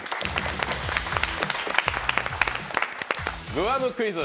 グアムクイズ。